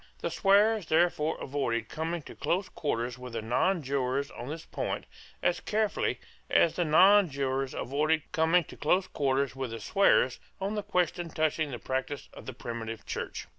The swearers therefore avoided coming to close quarters with the nonjurors on this point as carefully as the nonjurors avoided coming to close quarters with the swearers on the question touching the practice of the primitive Church.